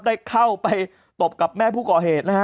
ได้เข้าไปตบกับแม่ผู้ก่อเหตุนะฮะ